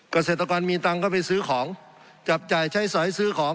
เกษตรกรมีตังค์ก็ไปซื้อของจับจ่ายใช้สอยซื้อของ